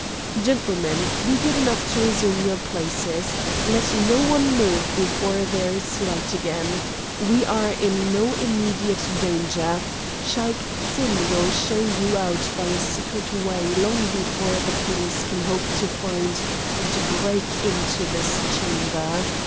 "Gentlemen! be good enough to resume your places—let no one move before there is light again. We are in no immediate danger: Shaik Tsin will show you out by a secret way long before the police can hope to find and break into this chamber.